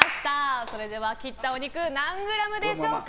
切ったお肉何グラムでしょうか。